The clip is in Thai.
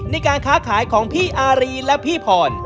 ในการค้าขายของพี่อารีและพี่พร